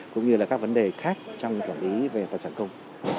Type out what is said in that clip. cũng như là các vấn đề khác trong quản lý về tài sản công